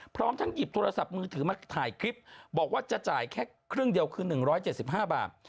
พร้อมทั้งหยิบโทรศัพท์มือถือมาถ่ายคลิปบอกว่าจะจ่ายแค่ครึ่งเดียวคือ๑๗๕บาท